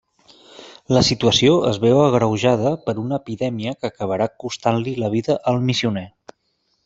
La situació es veu agreujada per una epidèmia que acabarà costant-li la vida al missioner.